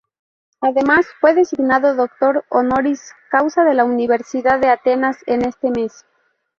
Además fue designado doctor honoris causa de la Universidad de Atenas en este mes.